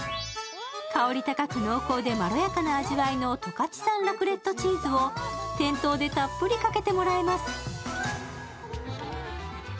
香り高く濃厚でまろやかな味わいの十勝産ラクレットチーズを店頭でたっぷりかけてもらいます。